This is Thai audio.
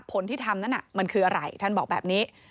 ผลที่ทำนั้นมันคืออะไรท่านบอกแบบนี้